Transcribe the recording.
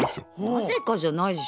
なぜかじゃないでしょ